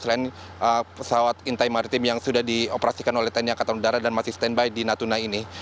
selain pesawat intai maritim yang sudah dioperasikan oleh tni angkatan udara dan masih standby di natuna ini